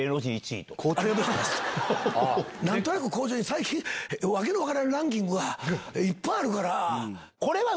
最近訳の分からんランキングがいっぱいあるから。